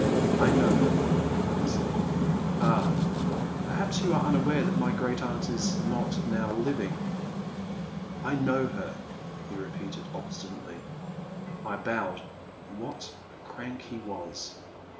I know her," he said. Ah, — ^perhaps you are unaware that my great aunt is not now living "I know her," he repeated, obstinately. I bowed. What a crank he was